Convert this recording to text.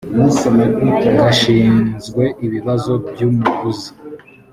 gashinzwe ibibazo by umuguzi